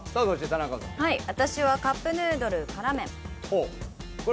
私はカップヌードル辛麺。